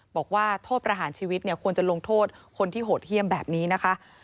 บอกว่าโทษประหารชีวิตเนี่ยควรจะลงโทษคนที่โหดเยี่ยมแบบนี้นะคะ